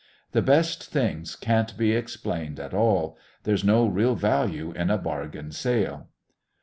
The best things can't be explained at all. There's no real value in a bargain sale.